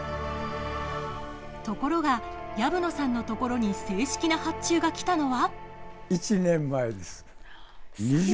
ところが藪野さんのところに正式な発注が来たのは。